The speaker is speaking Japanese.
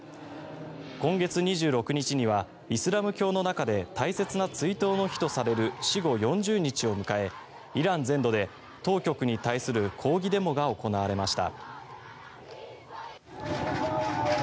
今月２６日にはイスラム教の中で大切な追悼の日とされる死後４０日を迎えイラン全土で当局に対する抗議デモが行われました。